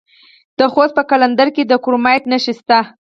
د خوست په قلندر کې د کرومایټ نښې شته.